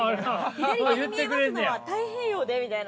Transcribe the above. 左手に見えますのは太平洋でみたいな。